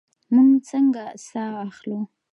موږ څنګه ساه اخلو؟